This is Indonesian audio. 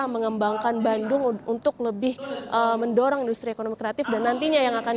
mengembangkan bandung untuk lebih mendorong industri ekonomi kreatif dan nantinya yang akan